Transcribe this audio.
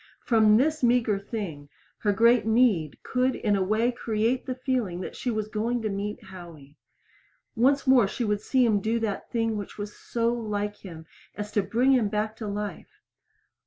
From this meager thing her great need could in a way create the feeling that she was going to meet Howie. Once more she would see him do that thing which was so like him as to bring him back into life.